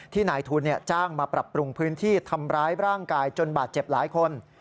นายทุนจ้างมาปรับปรุงพื้นที่ทำร้ายร่างกายจนบาดเจ็บหลายคน